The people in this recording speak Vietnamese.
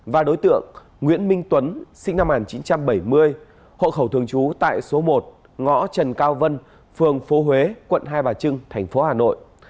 và đối tượng nguyễn minh tuấn sinh năm một nghìn chín trăm bảy mươi hộ khẩu thường trú tại số một ngõ trần cao vân phường phố huế quận hai bà trưng thành phố hà nội